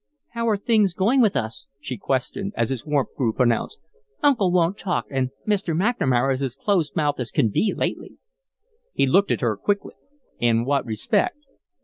"How are things going with us?" she questioned, as his warmth grew pronounced. "Uncle won't talk and Mr. McNamara is as close mouthed as can be, lately." He looked at her quickly. "In what respect?"